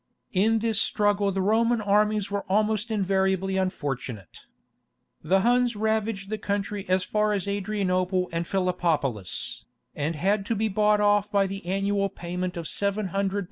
In this struggle the Roman armies were almost invariably unfortunate. The Huns ravaged the country as far as Adrianople and Philippopolis, and had to be bought off by the annual payment of 700 lbs.